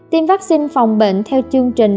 tiêm vaccine phòng bệnh theo chương trình